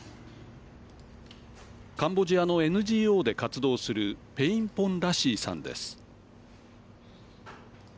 カンボジアのＮＧＯで活動するペイン・ポン・ラシーさんです。